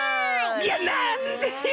いやなんでよ！